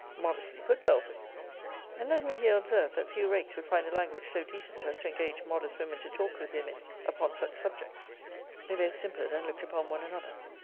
[Modestly put, Belford! And let me here observe, that few rakes would find a language so decent as to engage modest women to talk with him in, upon such subjects.] They both simpered, and looked upon one another.